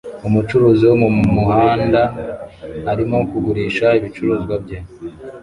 Umucuruzi wo mumuhanda arimo kugurisha ibicuruzwa bye